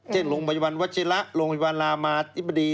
เช่นโรงพยาบาลวัชิระโรงพยาบาลรามาธิบดี